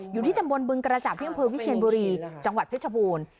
อยู่ที่ตำบลบึงกระจับที่อำเภอวิเชียนบุรีจังหวัดเพชรบูรณ์